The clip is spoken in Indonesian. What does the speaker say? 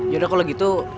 yaudah kalau gitu